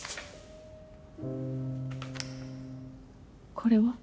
これは？